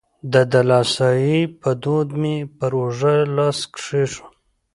د دلاسایي په دود مې پر اوږه یې لاس کېښود.